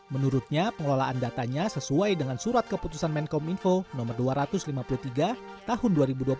menurutnya pengelolaan datanya sesuai dengan surat keputusan menkom info no dua ratus lima puluh tiga tahun dua ribu dua puluh satu